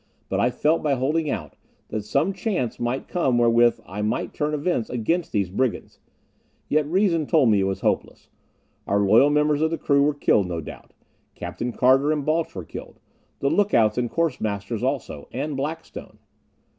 But I felt, by holding out, that some chance might come wherewith I might turn events against these brigands. Yet reason told me it was hopeless. Our loyal members of the crew were killed, no doubt. Captain Carter and Balch were killed. The lookouts and Course masters also. And Blackstone.